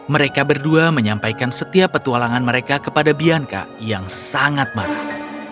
mereka berdua menyampaikan setiap petualangan mereka kepada bianka yang sangat marah